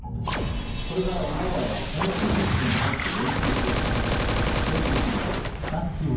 これからお前らはこのテキストに沿って練習し昇級してもらう。